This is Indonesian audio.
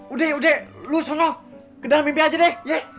udah udah lu sana ke dalam mimpi aja deh